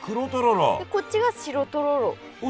こっちが白とろろ。